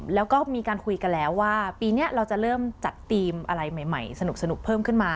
แล้วก็มีการคุยกันแล้วว่าปีนี้เราจะเริ่มจัดทีมอะไรใหม่สนุกเพิ่มขึ้นมา